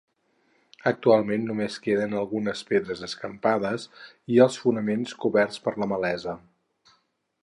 Actualment només queden algunes pedres escampades i els fonaments coberts per la malesa.